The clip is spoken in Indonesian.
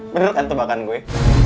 bener kan tebakan gue